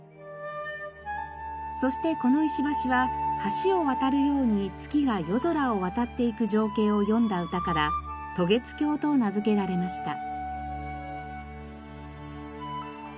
そしてこの石橋は橋を渡るように月が夜空を渡っていく情景を詠んだ歌から渡月橋と名付けられました。